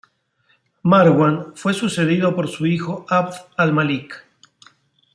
Marwan fue sucedido por su hijo Abd al-Malik.